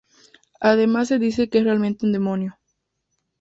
Además se dice que es realmente un demonio.